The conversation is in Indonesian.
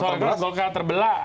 soal hal golkar terbelah